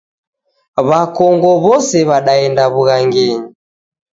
Wakongo wose wadaenda wughangenyi